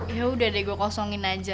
yaudah deh gue kosongin aja